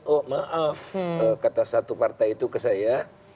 oh maaf kata satu partai itu ke saya